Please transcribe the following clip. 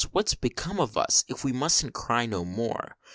what's to become of us if we mustn't cry no more?